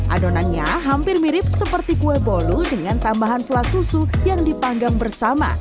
adonannya hampir mirip seperti kue bolu dengan tambahan selat susu yang dipanggang bersama